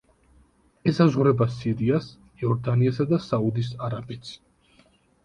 ესაზღვრება სირიას, იორდანიასა და საუდის არაბეთს.